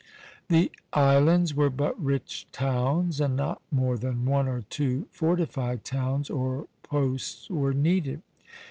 The islands were but rich towns; and not more than one or two fortified towns, or posts, were needed.